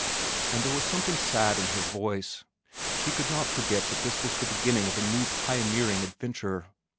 And there was something sad in her voice. She could not forget that this was the beginning of a new pioneering adventure.